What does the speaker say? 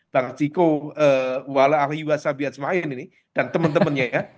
bang ciko wala ahli wasabiasmain ini dan teman temannya ya